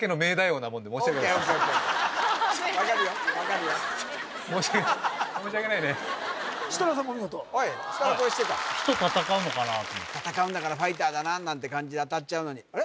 火と戦うのかなと戦うんだからファイターだななんて感じで当たっちゃうのにあれ？